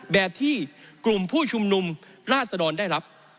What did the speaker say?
แบบที่กลุ่มผู้ชุมนุมราชดรได้รับ